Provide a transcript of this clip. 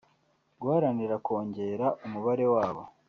guharanira kongera umubare wabo